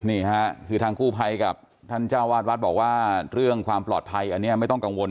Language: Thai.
นี่ค่ะคือทางกู้ภัยกับท่านเจ้าวาดวัดบอกว่าเรื่องความปลอดภัยอันนี้ไม่ต้องกังวล